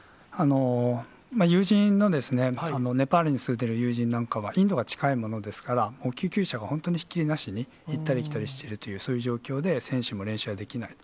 友人のネパールに住んでる友人なんかは、インドが近いものですから、救急車が本当にひっきりなしに行ったり来たりしているという、そういう状況で、選手も練習ができないと。